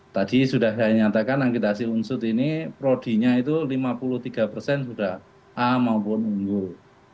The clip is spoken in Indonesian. tadi sudah saya nyatakan akritasi unsud ini prodinya itu lima puluh tiga sudah a maupun unggul